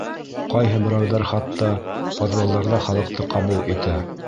Ҡайһы берәүҙәр хатта подвалдарҙа халыҡты ҡабул итә.